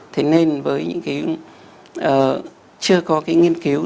thế nên với những cái chưa có cái nghiên cứu